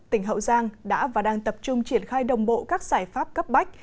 tỉnh hậu giang đã và đang tập trung triển khai đồng bộ các giải pháp cấp bách